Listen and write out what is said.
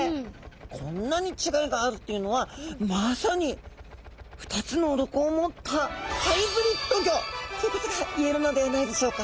こんなに違いがあるというのはまさに２つの鱗を持ったハイブリッド魚ということがいえるのではないでしょうか。